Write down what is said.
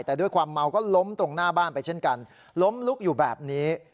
แต่ด้วยความเมาก็ล้มตรงหน้าบ้านไปเช่นกันล้มลุกอยู่แบบนี้